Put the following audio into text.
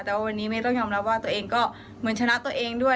แต่ว่าวันนี้ไม่ต้องยอมรับว่าตัวเองก็เหมือนชนะตัวเองด้วย